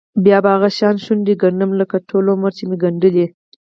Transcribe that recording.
بیا به هغه شان شونډې ګنډم لکه ټول عمر چې مې ګنډلې.